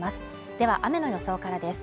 では雨の予想からです。